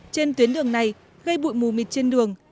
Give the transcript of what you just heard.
trên tuyến đường này gây bụi mù mịt trên đường